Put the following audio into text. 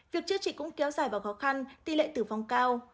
việc chữa trị cũng kéo dài vào khó khăn tỷ lệ tử vong cao